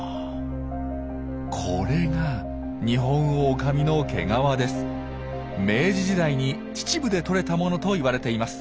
これが明治時代に秩父でとれた物といわれています。